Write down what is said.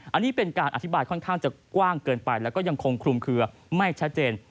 อันนี้เป็นการอธิบายค่อนข้างจะกว้างเกินไปแล้วก็ยังคงคลุมเคลือไม่ชัดเจน